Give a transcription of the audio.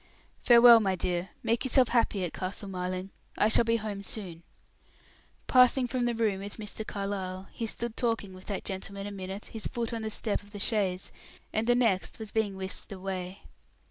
"Farewell, my dear; make yourself happy at Castle Marling. I shall be home soon." Passing from the room with Mr. Carlyle, he stood talking with that gentleman a minute, his foot on the step of the chaise, and the next was being whisked away.